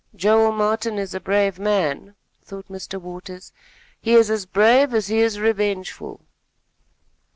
"Joel Martin is a brave man," thought Mr. Waters. "He is as brave as he is revengeful."